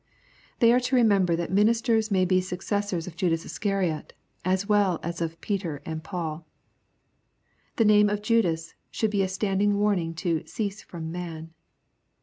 They are to remember that ministers may be successors of Judas Iscariot, as well as of Peter and Paul. The name of Judas should be a standing warning to "cease from man."